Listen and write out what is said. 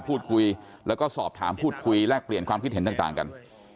พูดคุยแล้วก็สอบถามพูดคุยแลกเปลี่ยนความคิดเห็นต่างกัน